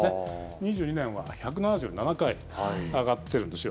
２２年は１７７回、上がってるんですよ。